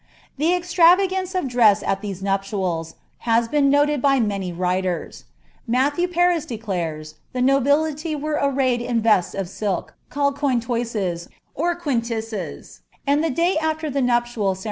The extravagance of dress at these nuptials, has been noted by many iters. Matthew Paris declares the nobility were arrayed in vests c) k called eointoisesj or quiniises; and the day afler the nuptial cere Stowa.